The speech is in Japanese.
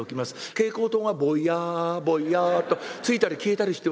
蛍光灯がぼやぼやっとついたり消えたりしております。